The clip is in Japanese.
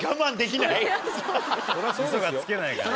ウソがつけないから。